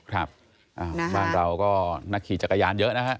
ครับบ้านเราก็นักขี่จักรยานเยอะนะฮะ